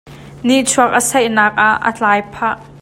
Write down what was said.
Nihchuak a saihnak ah a tlai phah.